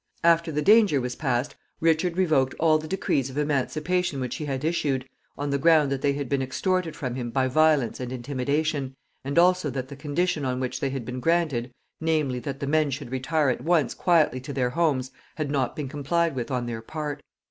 After the danger was past, Richard revoked all the decrees of emancipation which he had issued, on the ground that they had been extorted from him by violence and intimidation, and also that the condition on which they had been granted, namely, that the men should retire at once quietly to their homes, had not been complied with on their part.